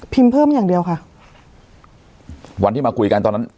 เพิ่มอย่างเดียวค่ะวันที่มาคุยกันตอนนั้น